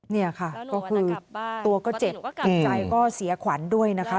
นี่ค่ะก็คือตัวก็เจ็บจิตใจก็เสียขวัญด้วยนะคะ